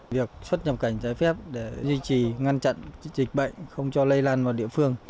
việc xuất nhập cảnh trái phép để duy trì ngăn chặn dịch bệnh không cho lây lan vào địa phương